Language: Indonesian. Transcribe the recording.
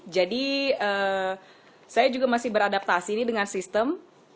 jadi saya juga masih beradaptasi ini dengan sistem